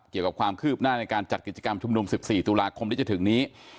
เกี่ยวกับความคืบหน้าในการจัดกิจกรรมชุมนุม๑๔ตุลาคมที่จะถึงนี้